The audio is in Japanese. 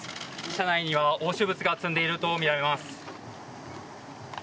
車内には押収物が積んでいるとみられます。